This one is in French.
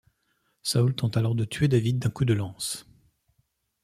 Saül tente alors de tuer David d'un coup de lance.